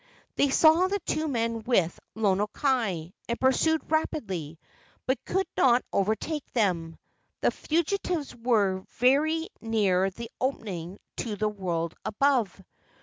They saw the two men with Lono kai, and pursued rapidly, but could not overtake them. The fugitives were very near the opening to the world above.